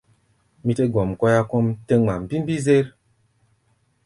Mí tɛ́ gɔm kɔ́yá kɔ́ʼm tɛ́ ŋma mbímbí-zér.